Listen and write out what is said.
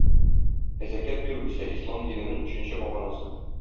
Ә зәкят бирү исә ислам диненең өченче баганасы.